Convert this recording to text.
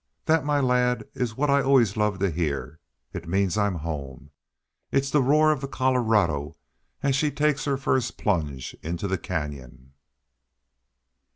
"That, my lad, is what I always love to hear. It means I'm home. It's the roar of the Colorado as she takes her first plunge into the Canyon."